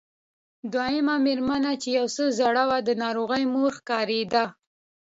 دويمه مېرمنه چې يو څه زړه وه د ناروغې مور ښکارېده.